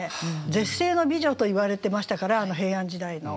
絶世の美女といわれてましたから平安時代の。